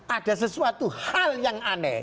ada sesuatu hal yang aneh